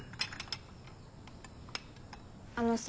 あのさ。